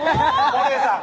お姉さん！